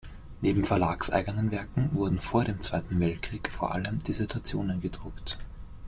Neben verlagseigenen Werken wurden vor dem Zweiten Weltkrieg vor allem Dissertationen gedruckt.